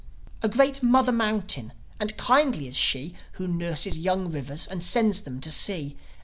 A great mother mountain, and kindly is she, Who nurses young rivers and sends them to sea.